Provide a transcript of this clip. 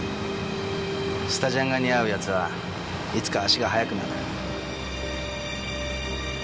スタジャンが似合う奴はいつか足が速くなる。